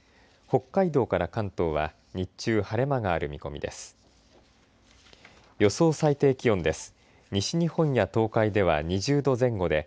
北海道から関東は日中、晴れ間がある見込みです。